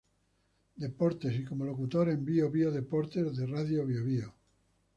Deportes, y como locutor en "Bío-Bío deportes" de Radio Bío-Bío.